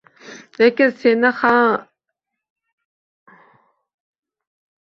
Lekin Sanihaxonnm quloq solmadi, kattasini birikki shapaloqlagach, kichigini quchog'iga oldi: